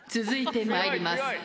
続いてまいります。